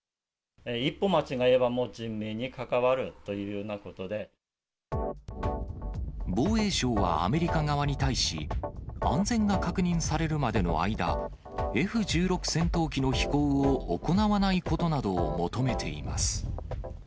一歩間違えれば、もう人命に防衛省はアメリカ側に対し、安全が確認されるまでの間、Ｆ１６戦闘機の飛行を行わないことなどを求めています。